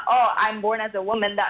oh saya lahir sebagai wanita